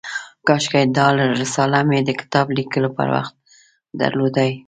کاشکي دا رساله مې د کتاب لیکلو پر وخت درلودای.